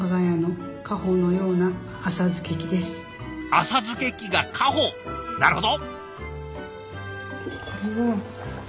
浅漬け器が家宝なるほど！